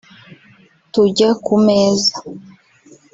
tujya ku meza